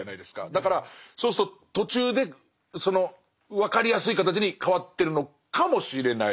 だからそうすると途中でその分かりやすい形に変わってるのかもしれないですね。